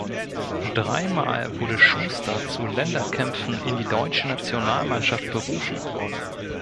Dreimal wurde Schuster zu Länderkämpfen in die deutsche Nationalmannschaft berufen.